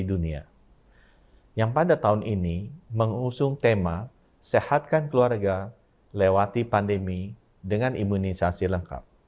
dunia yang pada tahun ini mengusung tema sehatkan keluarga lewati pandemi dengan imunisasi lengkap